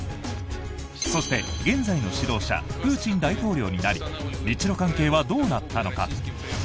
そして、現在の指導者プーチン大統領になり日ロ関係はどうなったのか？